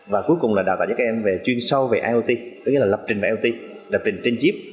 và cuối cùng là đào tạo cho các em chuyên sâu về iot tức là lập trình vào iot lập trình trên chip